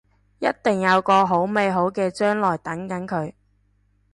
一定有個好美好嘅將來等緊佢